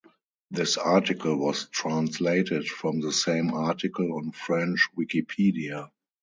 This article was translated from the same article on French Wikipedia.